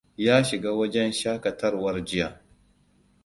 Ya shiga wajen shaƙatawar jiya.